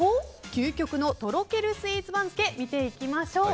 究極のとろけるスイーツ番付見ていきましょう。